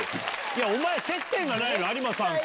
おまえ接点がないの有馬さんと。